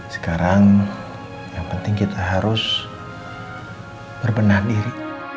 sekarang yang penting kita harus berbenah diri